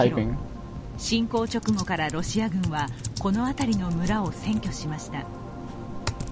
侵攻直後からロシア軍は、この辺りの村を占拠しました。